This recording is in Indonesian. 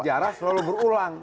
sejarah selalu berulang